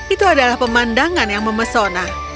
itu adalah pemandangan yang memesona